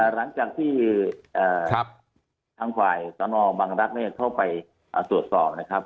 หลังจากที่ทางฝ่ายสนบังรักษ์เข้าไปตรวจสอบนะครับ